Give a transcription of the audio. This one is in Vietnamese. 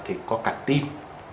thì có cả tim